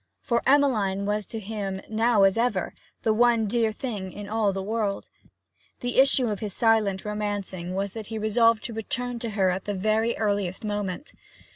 for Emmeline was to him now as ever the one dear thing in all the world. The issue of his silent romancing was that he resolved to return to her at the very earliest moment.